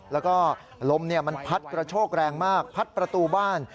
แล้วก็ลมมันพัดกระโชกแรงมากพัดประตูบ้าน